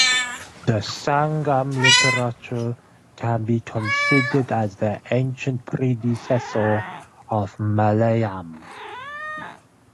The Sangam literature can be considered as the ancient predecessor of Malayalam.